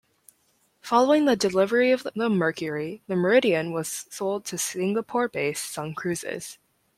Following the delivery of the "Mercury", the "Meridian" was sold to Singapore-based Sun Cruises.